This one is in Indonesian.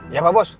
ya pak bos